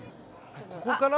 ここから。